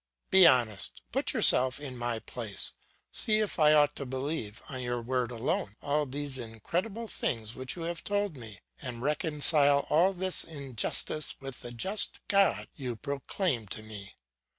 Be honest; put yourself in my place; see if I ought to believe, on your word alone, all these incredible things which you have told me, and reconcile all this injustice with the just God you proclaim to me.